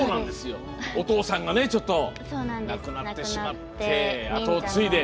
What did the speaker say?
お父さんが、ちょっと亡くなってしまって後を継いで。